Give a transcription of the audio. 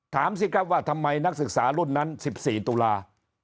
สิครับว่าทำไมนักศึกษารุ่นนั้น๑๔ตุลา